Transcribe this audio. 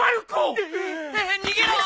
逃げろ！